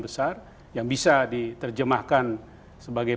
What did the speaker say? besar yang bisa diterjemahkan sebagai